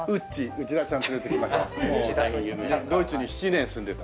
内田ちゃん連れてきました。